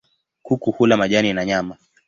Kuku hula majani na nyama.